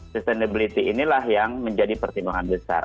sustainability inilah yang menjadi pertimbangan besar